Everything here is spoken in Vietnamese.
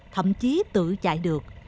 thậm chí tự chạy được